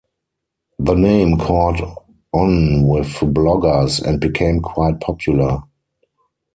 The name caught on with bloggers, and became quite popular.